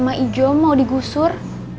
ma ijom mau digusur